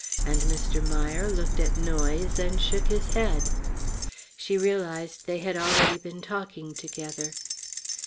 And Mr. Meier looked at Noyes and shook his head. She realized they had already been talking together.